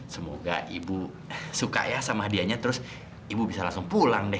semoga ibu suka ya sama hadiahnya terus ibu bisa langsung pulang deh